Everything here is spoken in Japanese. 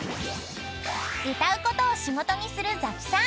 ［歌うことを仕事にするザキさん］